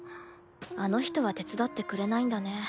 あの人は手伝ってくれないんだね。